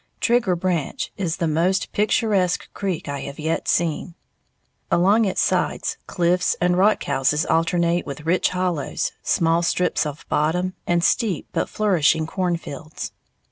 Trigger Branch is the most picturesque creek I have yet seen; along its sides cliffs and "rock houses" alternate with rich hollows, small strips of bottom, and steep but flourishing cornfields.